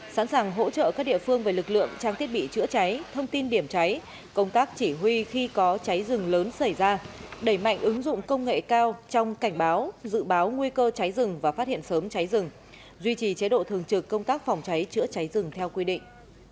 sẵn sàng hỗ trợ các địa phương về lực lượng trang thiết bị chữa cháy thông tin điểm cháy công tác chỉ huy khi có cháy rừng lớn xảy ra đẩy mạnh ứng dụng công nghệ cao trong cảnh báo dự báo nguy cơ cháy rừng và phát hiện sớm cháy rừng duy trì chế độ thường trực công tác phòng cháy chữa cháy rừng theo quy định